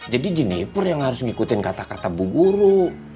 jadi gineper yang harus ngikutin kata kata bu guru